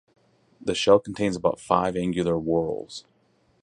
The shell contains about five angular whorls.